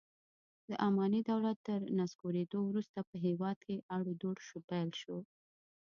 د اماني دولت تر نسکورېدو وروسته په هېواد کې اړو دوړ پیل شو.